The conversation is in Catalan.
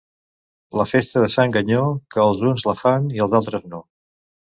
La festa de sant Ganyó, que els uns la fan i els altres no.